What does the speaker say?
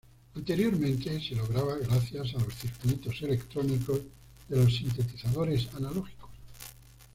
Anteriormente se lograba gracias a los circuitos electrónicos de los sintetizadores analógicos.